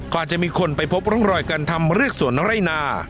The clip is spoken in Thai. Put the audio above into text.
อาจจะมีคนไปพบร่องรอยการทำเรียกสวนไร่นา